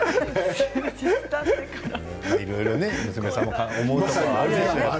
いろいろね娘さんも思うところがあるんでしょうね。